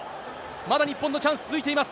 まだ日本のチャンス続いています。